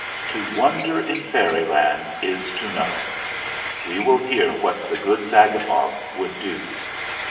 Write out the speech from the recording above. To wonder in Fairyland is to know. We will hear what the good Zagabog would do.